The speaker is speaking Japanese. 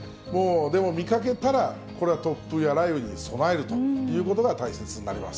でも見かけたら、これは突風や雷雨に備えるということが大切になります。